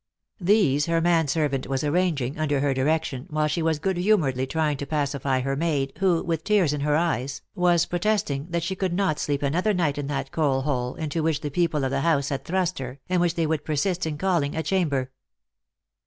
These her man servant was arranging, under her direction, while she was good humoredly trying to pacify her maid, who, with tears in her eyes, was protesting that she could not sleep another night in that coal hole, into which the people of the house had thrust her, and which they would persist in calling a chamber.